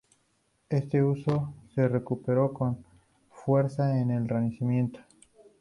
Este uso se recuperó con fuerza en el Renacimiento.